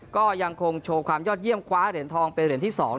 ก็ยังคงโชว์ความยอดเยี่ยมคว้าเหรียญทองเป็นเหรียญที่๒